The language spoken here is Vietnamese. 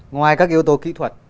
ngoài các yếu tố kỹ thuật